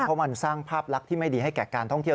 เพราะมันสร้างภาพลักษณ์ที่ไม่ดีให้แก่การท่องเที่ยว